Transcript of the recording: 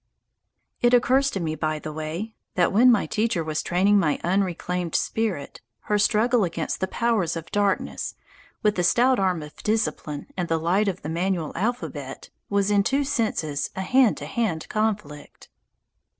It occurs to me, by the way, that when my teacher was training my unreclaimed spirit, her struggle against the powers of darkness, with the stout arm of discipline and the light of the manual alphabet, was in two senses a hand to hand conflict.